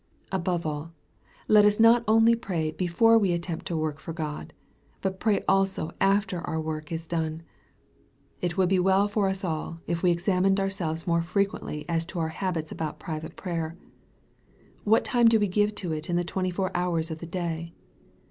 Above all, let us not only pray bofore we attempt to work for God, but pray also after our work is done. It would be well for us all, if we examined ourselves more frequently as to our habits about private prayer. What time do we give to it in the twenty four hours of the day